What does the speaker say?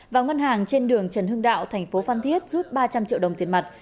vào ngân hàng trên đường trần hưng đạo thành phố phan thiết rút ba trăm linh triệu đồng tiền mặt